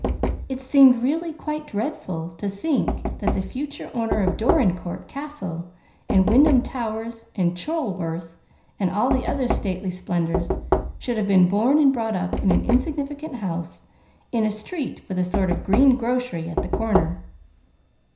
It seemed really quite dreadful to think that the future owner of Dorincourt Castle and Wyndham Towers and Chorlworth, and all the other stately splendors, should have been born and brought up in an insignificant house in a street with a sort of green grocery at the corner.